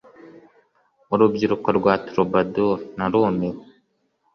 Urubyiruko rwa Troubadour narumiwe